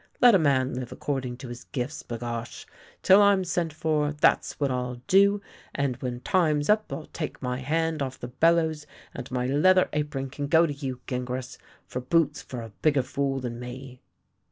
Let a man live according to his gifts — ba gosh! Till I'm sent for, that's what I'll do; and when time's up I'll take my hand off the bellows, and my leather apron can go to you, Gingras, for boots for a bigger fool than me."